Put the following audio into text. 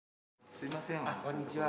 すいませんこんにちは。